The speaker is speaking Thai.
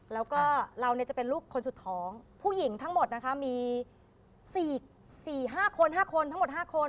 ถูกต้องเราก็จะเป็นลูกคนสุดท้องผู้หญิงทั้งหมดนะคะมี๔๕คน